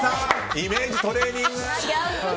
イメージトレーニング。